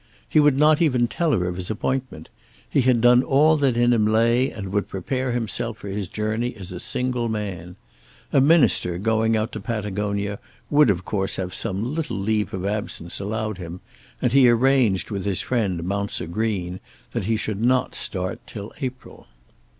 He would not even tell her of his appointment. He had done all that in him lay and would prepare himself for his journey as a single man. A minister going out to Patagonia would of course have some little leave of absence allowed him, and he arranged with his friend Mounser Green that he should not start till April.